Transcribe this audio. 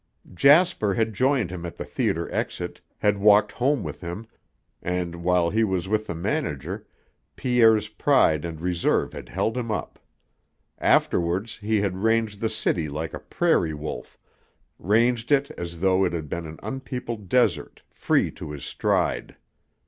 Jasper had joined him at the theater exit, had walked home with him, and, while he was with the manager, Pierre's pride and reserve had held him up. Afterwards he had ranged the city like a prairie wolf, ranged it as though it had been an unpeopled desert, free to his stride.